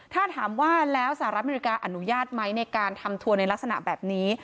ถ้าถามว่าแล้วสหรัฐอเมริกาอนุญาตไหมในการทำทัวร์ในลักษณะแบบนี้